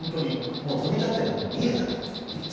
もう飛び立ってるのが今見えたね。